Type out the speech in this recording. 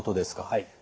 はい。